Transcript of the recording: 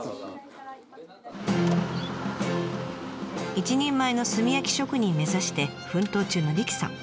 一人前の炭焼き職人目指して奮闘中の理妃さん。